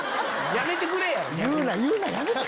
やめてくれ。